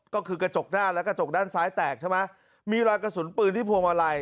ก็คือกระจกหน้าและกระจกด้านซ้ายแตกใช่ไหมมีรอยกระสุนปืนที่พวงมาลัย